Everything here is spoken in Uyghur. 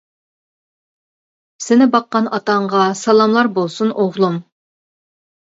-سىنى باققان ئاتاڭغا سالاملار بولسۇن ئوغلۇم!